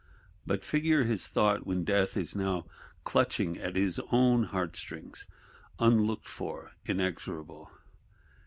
But figure his thought, when Death is now clutching at his own heart strings, unlooked for, inexorable!